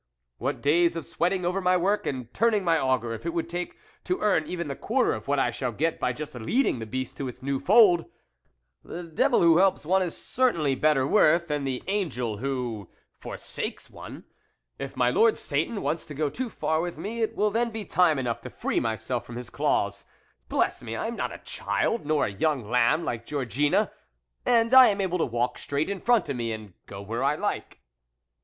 What days of sweating over my work, and turning my auger, it would take, to earn even the quarter of what I shall get by just leading the beast to its new fold ! The devil who helps one is cer tainly better worth than the angel who forsakes one. If my lord Satan wants to go too far with me, it will then be time enough to free myself from his claws : bless me ! I am not a child, nor a young lamb like Georgine, and I am able to walk straight in front of me and go where I like.